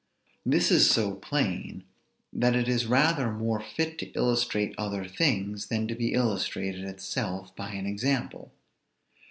This is so plain, that it is rather more fit to illustrate other things, than to be illustrated itself by an example.